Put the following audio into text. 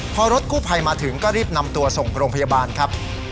พอรถกู้ภัยมาถึงก็รีบนำตัวส่งโรงพยาบาลครับ